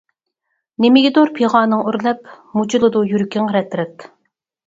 نېمىگىدۇر پىغانىڭ ئۆرلەپ، مۇجۇلىدۇ يۈرىكىڭ رەت-رەت.